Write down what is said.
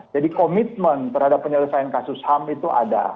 jadi komitmen terhadap penyelesaian kasus ham itu ada